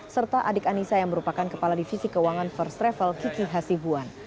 serta adik anissa yang merupakan kepala divisi keuangan first travel kiki hasibuan